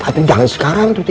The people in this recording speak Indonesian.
tapi jangan sekarang tuti